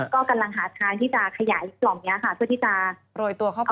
ก็กำลังหาทางที่จะขยายกล่องนี้ค่ะเพื่อที่จะโรยตัวเข้าไป